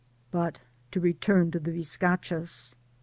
But, to return to the biscachos.